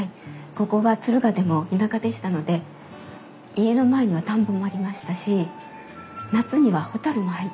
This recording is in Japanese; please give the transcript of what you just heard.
ここは敦賀でも田舎でしたので家の前には田んぼもありましたし夏には蛍も入ってきたんです。